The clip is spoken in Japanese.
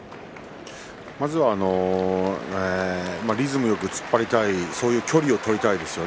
まずはリズムよく突っ張りたいそういう距離を取りたいですね